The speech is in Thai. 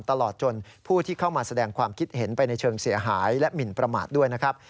ตลอดจนผู้ที่เข้ามาแสดงความคิดเห็นไปในเชิงเสียหายและหมินประมาทด้วยนะครับ